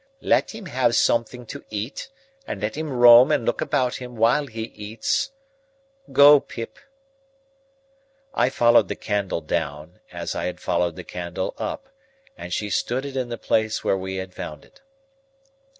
Let him have something to eat, and let him roam and look about him while he eats. Go, Pip." I followed the candle down, as I had followed the candle up, and she stood it in the place where we had found it.